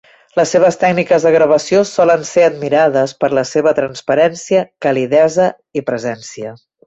Les seves tècniques de gravació solen ser admirades per la seva transparència, calidesa i presència.